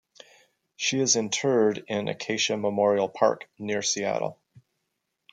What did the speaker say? She is interred in Acacia Memorial Park near Seattle.